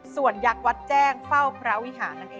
ส่วนยักษ์วัดแจ้งเฝ้าพระวิหารนั่นเอง